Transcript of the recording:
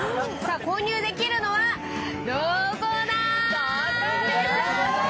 購入できるのは、どこだ？